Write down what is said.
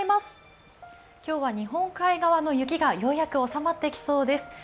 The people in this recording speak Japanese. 今日は日本海側の雪がようやく収まってきそうです。